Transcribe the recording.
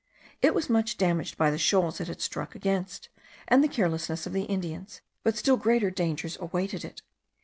It was much damaged by the shoals it had struck against, and the carelessness of the Indians; but still greater dangers awaited it.